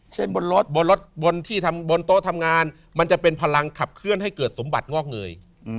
บนรถบนรถบนที่ทำบนโต๊ะทำงานมันจะเป็นพลังขับเคลื่อนให้เกิดสมบัติงอกเงย